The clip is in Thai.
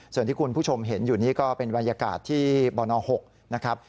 ส่วนที่คุณผู้ชมเห็นอยู่นี่ก็เป็นบรรยากาศที่บน๖นะครับ